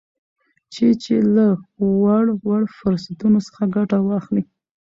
چې چې له وړ وړ فرصتونو څخه ګته واخلي